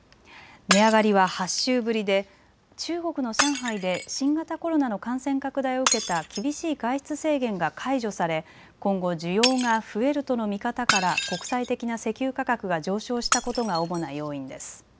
値上がりは８週ぶりで中国の上海で新型コロナの感染拡大を受けた厳しい外出制限が解除され今後、需要が増えるとの見方から国際的な石油価格が上昇したことが主な要因です。